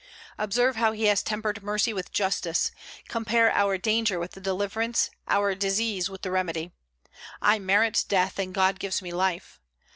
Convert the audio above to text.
Observe how he has tempered mercy with justice; compare our danger with the deliverance, our disease with the remedy. I merit death, and God gives me life.